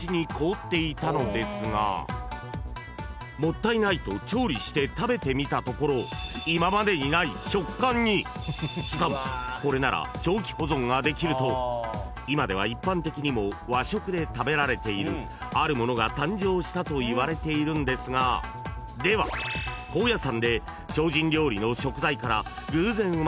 ［もったいないと調理して食べてみたところ今までにない食感にしかもこれなら長期保存ができると今では一般的にも和食で食べられているあるものが誕生したといわれているんですがでは高野山で］